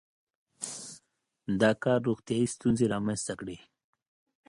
• دا کار روغتیايي ستونزې رامنځته کړې.